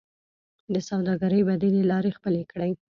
د سوداګرۍ بدیلې لارې خپلې کړئ